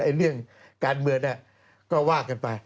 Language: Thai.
ไอ้เรื่องการเมืองเนี่ยก็ว่ากันไป